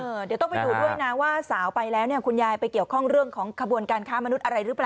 เดี๋ยวต้องไปดูด้วยนะว่าสาวไปแล้วเนี่ยคุณยายไปเกี่ยวข้องเรื่องของขบวนการค้ามนุษย์อะไรหรือเปล่า